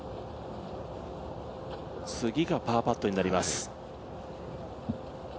次がパーパットになります。